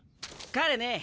彼ね